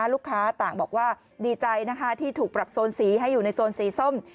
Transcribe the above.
ลูกค้าต่างบอกว่าดีใจนะคะที่ถูกปรับโซนสีให้อยู่ในโซนสีส้ม